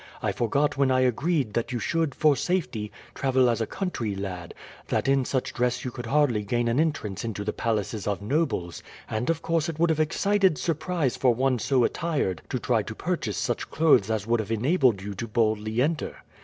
I forgot when I agreed that you should, for safety, travel as a country lad, that in such dress you could hardly gain an entrance into the palaces of nobles; and of course it would have excited surprise for one so attired to try to purchase such clothes as would have enabled you to boldly enter."